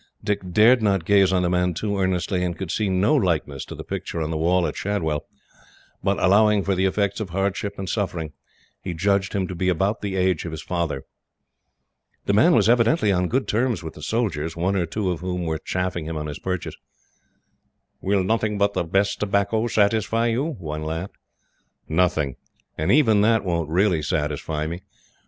Dick dared not gaze on the man too earnestly, and could see no likeness to the picture on the wall at Shadwell; but, allowing for the effects of hardship and suffering, he judged him to be about the age of his father. The man was evidently on good terms with the soldiers, one or two of whom were chaffing him on his purchase. "Will nothing but the best tobacco satisfy you?" one laughed. "Nothing; and even that won't really satisfy me.